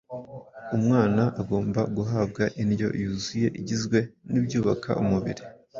Umwana agombwa guhabwa indyo yuzuye igizwe n’ibyubaka umubiri,